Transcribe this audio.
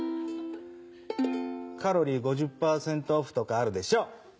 カロリー５０％オフとかあるでしょ？